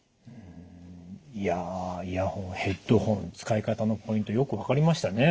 いやイヤホンヘッドホン使い方のポイントよく分かりましたね。